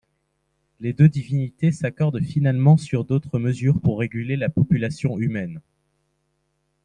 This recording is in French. Les deux divinités s’accordent finalement sur d’autres mesures pour réguler la population humaine.